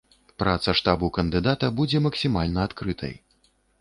Праца штабу кандыдата будзе максімальна адкрытай.